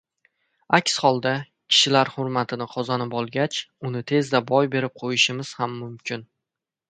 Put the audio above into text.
aks holda, kishilar hurmatini qozonib olgach, uni tezda boy berib qo‘yishimiz ham mumkin.